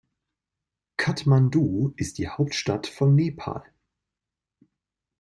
Kathmandu ist die Hauptstadt von Nepal.